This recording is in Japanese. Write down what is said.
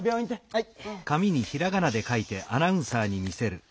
はい？